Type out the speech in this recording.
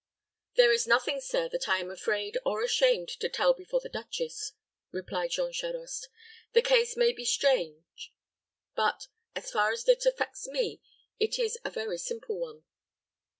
"There is nothing, sir, that I am afraid or ashamed to tell before the duchess," replied Jean Charost. "The case may be strange; but, as far as it affects me, it is a very simple one."